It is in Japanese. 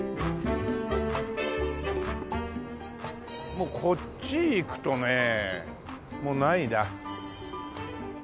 もうこっち行くとねもうないな。